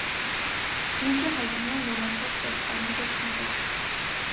Լիճը հայտնի է լողացող տորֆային կղզիով։